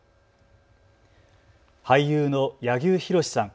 俳優の柳生博さん。